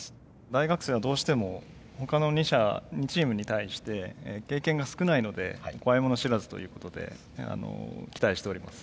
大学生はどうしても他の２社２チームに対して経験が少ないので怖いもの知らずということで期待しております。